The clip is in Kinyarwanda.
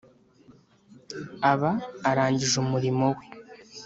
aba arangije umurimo we